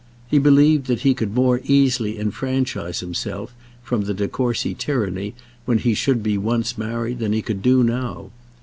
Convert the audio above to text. He believed that he could more easily enfranchise himself from the De Courcy tyranny when he should be once married than he could do now.